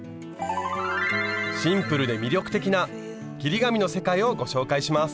シンプルで魅力的な切り紙の世界をご紹介します。